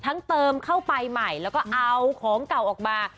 เติมเข้าไปใหม่แล้วก็เอาของเก่าออกมา